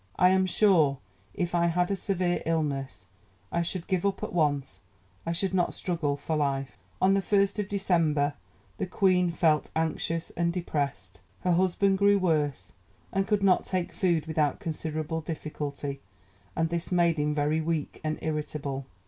... I am sure, if I had a severe illness, I should give up at once, I should not struggle for life." On the 1st of December the Queen felt anxious and depressed. Her husband grew worse and could not take food without considerable difficulty, and this made him very weak and irritable.